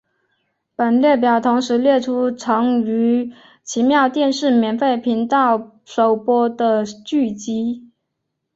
本列表同时列出曾于奇妙电视免费频道首播的剧集。